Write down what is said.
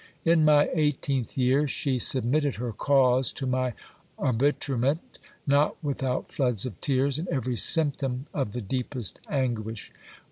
In my eighteenth year she submitted her cause to my arbitra ment, not without floods of tears, and every symptom of the deepest anguish.